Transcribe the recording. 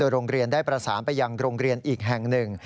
โรงเรียนได้ประสานไปยังโรงเรียนอีกแห่งหนึ่ง